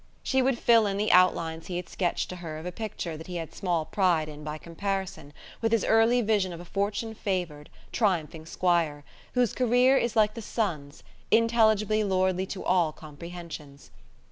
She would fill in the outlines he had sketched to her of a picture that he had small pride in by comparison with his early vision of a fortune favoured, triumphing squire, whose career is like the sun's, intelligibly lordly to all comprehensions.